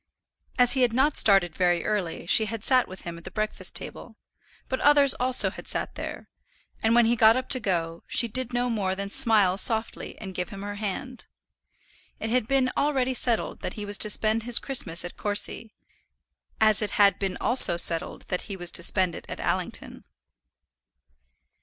As he had not started very early she had sat with him at the breakfast table; but others also had sat there, and when he got up to go, she did no more than smile softly and give him her hand. It had been already settled that he was to spend his Christmas at Courcy; as it had been also settled that he was to spend it at Allington.